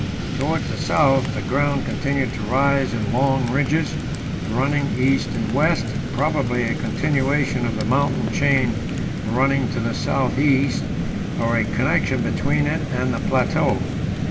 Towards the south the ground continued to rise in long ridges running east and west, probably a continuation of the mountain chain running to the south east, or a connection between it and the plateau.